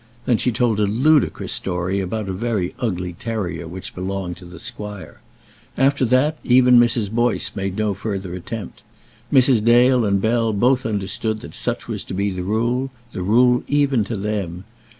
Then she told a ludicrous story about a very ugly terrier which belonged to the squire. After that even Mrs. Boyce made no further attempt. Mrs. Dale and Bell both understood that such was to be the rule the rule even to them.